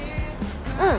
うん。